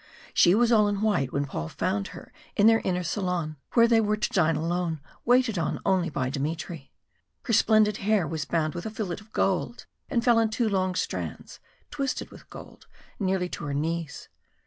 She was all in white when Paul found her in their inner salon, where they were to dine alone, waited on only by Dmitry. Her splendid hair was bound with a fillet of gold, and fell in two long strands, twisted with gold, nearly to her knees.